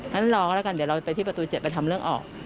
งั้นรอก็แล้วกันเดี๋ยวเราไปที่ประตู๗ไปทำเรื่องออก